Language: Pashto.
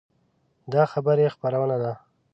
دا خبري خپرونه ده